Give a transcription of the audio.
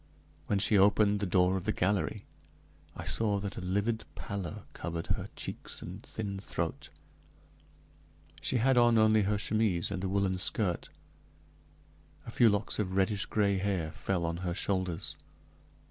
When she opened the door of the gallery, I saw that a livid pallor covered her cheeks and thin throat; she had on only her chemise and a woolen skirt; a few locks of reddish gray hair fell on her shoulders.